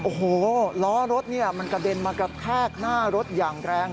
โอ้โหล้อรถมันกระเด็นมากระแทกหน้ารถอย่างแรง